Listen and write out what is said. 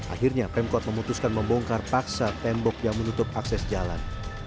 akhirnya pemkot memutuskan membongkar paksa tembok yang menutup akses jalan